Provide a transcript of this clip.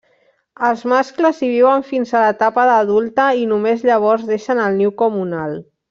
Els mascles hi viuen fins a l'etapa d'adulta i només llavors deixen el niu comunal.